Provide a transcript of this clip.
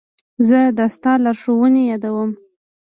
زه د استاد لارښوونې یادوم.